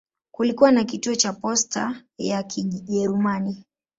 Kulikuwa na kituo cha posta ya Kijerumani.